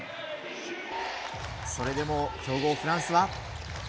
それでも強豪フランスは。